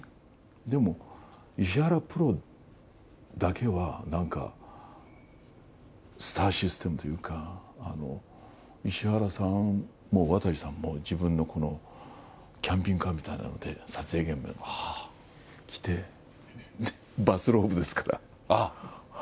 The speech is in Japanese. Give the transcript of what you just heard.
でも、石原プロだけは、なんかスターシステムというか、石原さんも渡さんも、自分のキャンピングカーみたいなもので撮影現場に来て、バスローブですから。